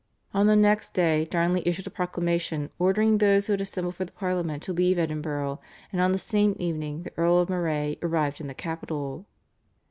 On the next day Darnley issued a proclamation ordering those who had assembled for the Parliament to leave Edinburgh, and on the same evening the Earl of Moray arrived in the capital.